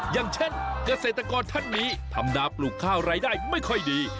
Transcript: อย่างเช่นเกษตรกรท่านนี้ทำนาปลูกข้าวรายได้ไม่ค่อยดี